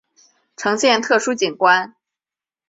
呈现特殊景观